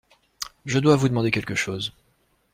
Je dois vous demander quelque chose.